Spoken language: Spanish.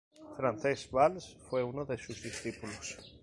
Francesc Valls fue uno de sus discípulos.